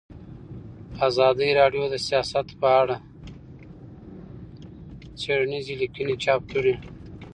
ازادي راډیو د سیاست په اړه څېړنیزې لیکنې چاپ کړي.